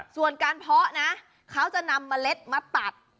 ส่วนการเพาะนะเขาจะนำเมล็ดมาตัด